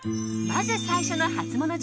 まず最初のハツモノ